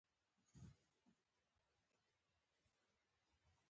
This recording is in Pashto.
څو شیبې غواړي